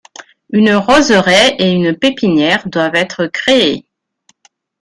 Une roseraie et une pépinière doivent être créées.